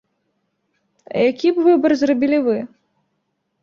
А які б выбар зрабілі вы?